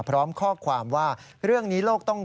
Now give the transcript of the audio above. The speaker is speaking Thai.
พร้อมข้อความว่าเรื่องนี้โลกต้อง